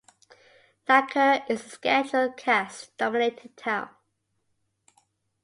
Nakur is a Scheduled Caste-dominated town.